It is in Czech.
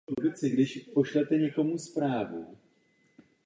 V některých případech byla použita nepřímá příbuznost.